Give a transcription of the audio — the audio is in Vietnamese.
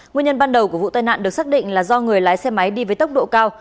nguyên nhân ban đầu của vụ tai nạn được xác định là do người lái xe máy đi với tốc độ cao